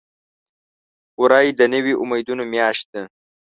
وری د نوي امیدونو میاشت ده.